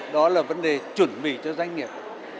đó là vấn đề chuẩn bị cho doanh nghiệp